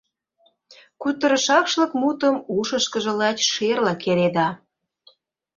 Кутырышашлык мутым ушышкыжо лач шерла кереда.